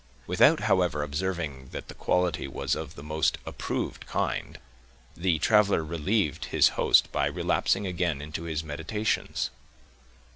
Without, however, observing that the quality was of the most approved kind, the traveler relieved his host by relapsing again into his meditations.